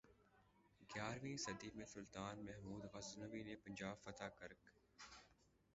گیارہویں صدی میں سلطان محمود غزنوی نے پنجاب فتح کرک